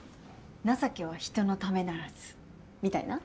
「情けは人のためならず」みたいな？